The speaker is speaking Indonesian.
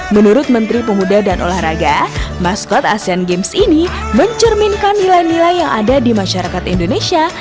menurut menteri pemuda dan olahraga maskot asean games ini mencerminkan nilai nilai yang ada di masyarakat indonesia